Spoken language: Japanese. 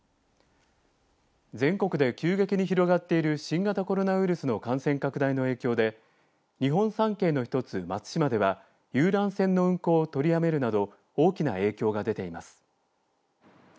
全国で急激に広がっている新型コロナウイルスの感染拡大の影響で日本三景の１つ、松島では遊覧船の運航を取りやめるなど大きな影響が出ています。